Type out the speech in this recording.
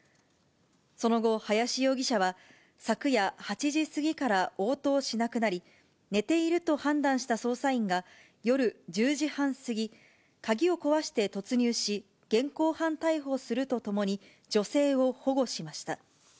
その後、林容疑者は昨夜８時過ぎから応答しなくなり、寝ていると判断した捜査員が、夜１０時半過ぎ、鍵を壊して突入し、現行犯逮捕するとともに、女性を保護しました。